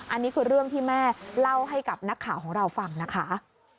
อันนี้คือเรื่องที่แม่เล่าให้กับนักข่าวของเราฟังนะคะ